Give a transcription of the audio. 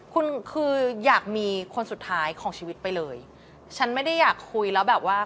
คุณคืออยากมีคนสุดท้ายของชีวิตไปเลยฉันไม่ได้อยากคุยแล้วแบบว่า